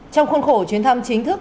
trong khuôn khổ chuyến thăm chính thức